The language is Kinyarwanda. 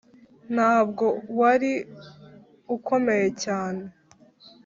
ntabwo wari ukomeye cyane.